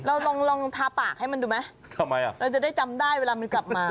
เราลองทาปากให้มันดูไหมเราจะได้จำได้เวลามันกลับมา